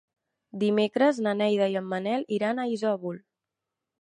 Dimecres na Neida i en Manel iran a Isòvol.